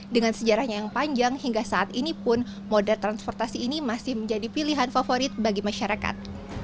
dengan sejarahnya yang panjang hingga saat ini pun moda transportasi ini masih menjadi pilihan favorit bagi masyarakat